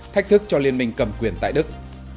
thách thức cho liên minh cầm quyền tại đức